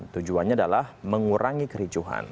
tujuannya adalah mengurangi kericuhan